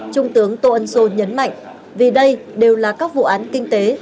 trung tướng tô ân sô nhấn mạnh vì đây đều là các vụ án kinh tế